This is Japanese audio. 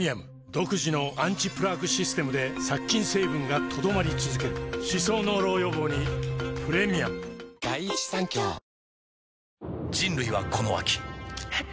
独自のアンチプラークシステムで殺菌成分が留まり続ける歯槽膿漏予防にプレミアム人類はこの秋えっ？